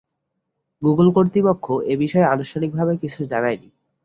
Google কর্তৃপক্ষ এ বিষয়ে আনুষ্ঠানিকভাবে কিছু জানায়নি।